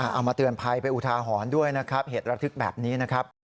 เอามาเตือนภัยไปอุทาหรณ์ด้วยนะครับเหตุระทึกแบบนี้นะครับ